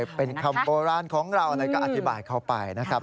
เป็นคำโบราณของเราอะไรก็อธิบายเขาไปนะครับ